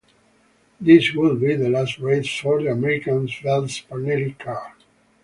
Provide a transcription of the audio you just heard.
This would be the last race for the American Vel's-Parnelli car.